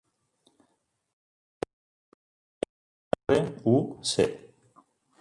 Es diu Bruc: be, erra, u, ce.